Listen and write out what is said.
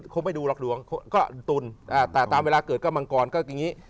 คงไม่ดูหรอกหลวงก็ตุลแต่ตามเวลาเกิดก็มังกรก็อย่างนี้